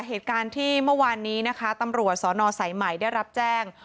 เหตุการณ์ที่เมื่อวานนี้นะคะตำรวจสนสายใหม่ได้รับแจ้ง